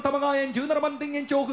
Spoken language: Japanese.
１７番田園調布。